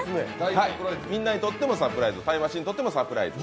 みんなにとってもサプライズタイムマシーンにとってもサプライズ。